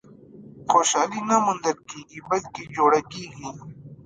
• خوشالي نه موندل کېږي، بلکې جوړه کېږي.